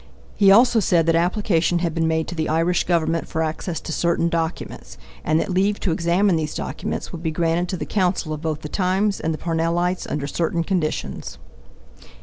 He also said that application had been made to the Irish Government for access to certain documents, and that leave to examine these documents would be granted to the counsel of both the Times and the Parnellites under certain conditions.